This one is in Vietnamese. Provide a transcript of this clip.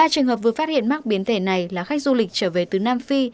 ba trường hợp vừa phát hiện mắc biến thể này là khách du lịch trở về từ nam phi